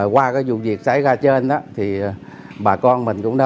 qua vụ việc xảy ra trên bà con mình cũng nên